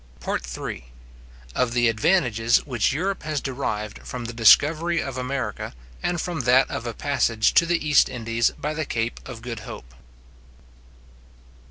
PART III. Of the Advantages which Europe has derived From the Discovery of America, and from that of a Passage to the East Indies by the Cape of Good Hope.